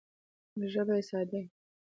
ژبه یې ساده وي